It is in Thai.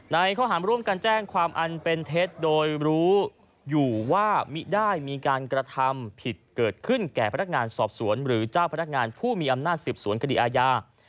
ในข้อหารร่วมกันแจ้งความอันเป็นเท็จโดยรู้อยู่ว่ามิได้มีการกระทำผิดเกิดขึ้นแก่พนักงานสอบสวนหรือเจ้าพนักงานผู้มีอำนาจสืบสวนคดีอาญา